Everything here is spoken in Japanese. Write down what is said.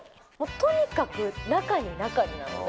とにかく中に中になので。